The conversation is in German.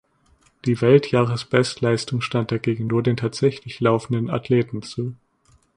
Die Weltjahresbestleistung stand dagegen nur den tatsächlich laufenden Athleten zu.